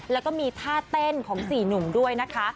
แล้วก็มีท่าเต้นของ๔หนุ่มด้วยนะคะ